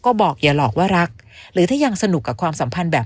ก็บอกอย่าหลอกว่ารักหรือถ้ายังสนุกกับความสัมพันธ์แบบ